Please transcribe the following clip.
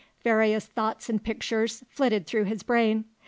Various thoughts and pictures flitted through his brain.